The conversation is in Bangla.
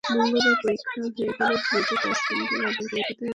মঙ্গলবার পরীক্ষা হয়ে গেলে দ্রুত তাসকিনকে আবার কলকাতায় এসে যোগ দিতে হতে পারে।